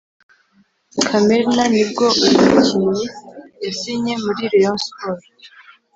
kamerna nibwo uyu mukinnyi yasinye muri rayon sports